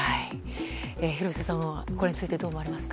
廣瀬さん、これについてどう思われますか？